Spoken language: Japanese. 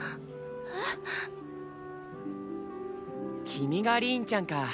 ⁉君がリーンちゃんか。